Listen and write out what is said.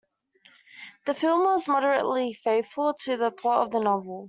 The film was moderately faithful to the plot of the novel.